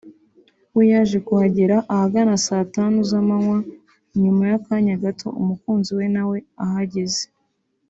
we yaje kuhagera ahagana saa tanu z’amanywa nyuma y’akanya gato umukunzi we nawe ahageze